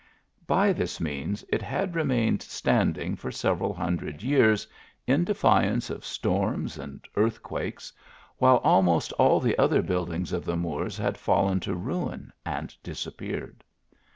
By this means it hail remained standing for several hundred years, in de Sance of storms and earthquakes, while almost all the other buildings of the Moors had fallen ro iuin *ncl disappeared.